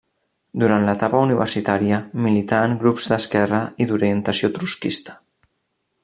Durant l'etapa universitària milità en grups d'esquerra i d'orientació trotskista.